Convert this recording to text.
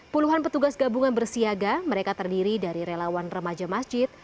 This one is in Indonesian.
puluhan petugas gabungan bersiaga mereka terdiri dari relawan remaja masjid